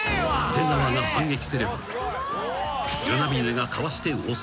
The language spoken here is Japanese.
［出川が反撃すれば］